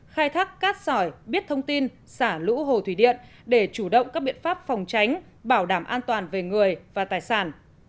khai thác cát sỏi biết thông tin xả lũ hồ thủy điện để chủ động các biện pháp phòng tránh bảo đảm an toàn về người và tài sản